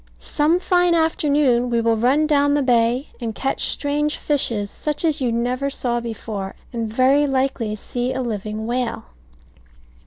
Some fine afternoon we will run down the bay and catch strange fishes, such as you never saw before, and very likely see a living whale.